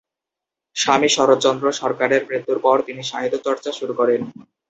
স্বামী শরৎচন্দ্র সরকারের মৃত্যুর পর তিনি সাহিত্যচর্চা শুরু করেন।